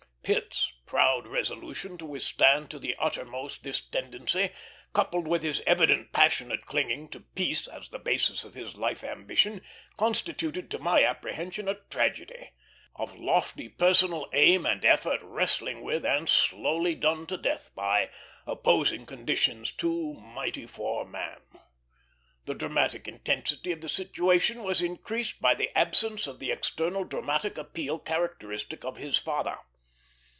Pitt's proud resolution to withstand to the uttermost this tendency, coupled with his evident passionate clinging to peace as the basis of his life ambition, constituted to my apprehension a tragedy; of lofty personal aim and effort wrestling with, and slowly done to death by, opposing conditions too mighty for man. The dramatic intensity of the situation was increased by the absence of the external dramatic appeal characteristic of his father.